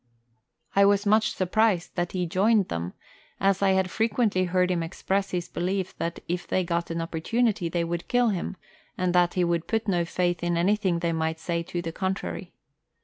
I was much surprised that he joined them, as I had frequently heard him express his belief that if they got an opportunity they would kill him, and that he put no faith in anything they might say to the contrary.